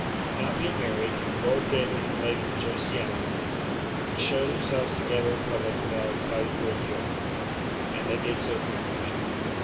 Not being married, Lord David and Lady Josiana could show themselves together in public without exciting ridicule, and they did so frequently.